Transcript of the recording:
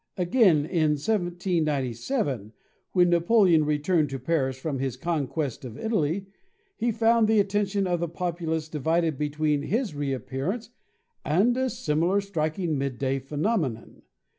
Again, in 1797, when Napoleon returned to Paris from his conquest of Italy he found the attention of the populace divided between his reappearance and a similar striking midday phenomenon.